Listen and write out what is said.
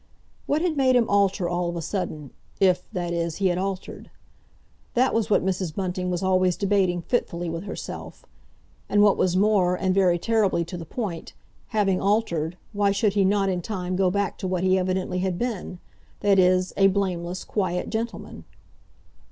What had made him alter all of a sudden—if, that is, he had altered? That was what Mrs. Bunting was always debating fitfully with herself; and, what was more, and very terribly, to the point, having altered, why should he not in time go back to what he evidently had been—that is, a blameless, quiet gentleman?